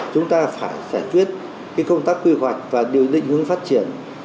chúng ta phải giải quyết công tác quy hoạch và điều định hướng phát triển